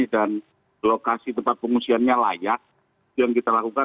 dan lokasi tempat pengungsiannya layak yang kita lakukan